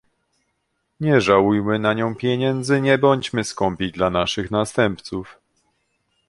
Nie żałujmy na nią pieniędzy, nie bądźmy skąpi dla naszych następców